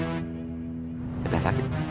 saya udah sakit